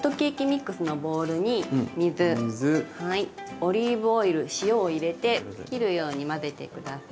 オリーブオイル塩を入れて切るように混ぜて下さい。